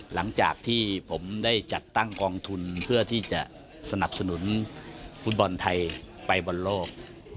หลังจากที่ผมได้จัดตั้งกองทุนเพื่อที่จะสนับสนุนฟุตบอลไทยไปบอลโลก